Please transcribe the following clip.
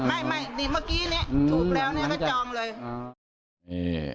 ไม่เมื่อกี้ถูกแล้วก็จองเลย